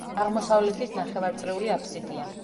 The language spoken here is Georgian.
აღმოსავლეთით ნახევარწრიული აფსიდაა.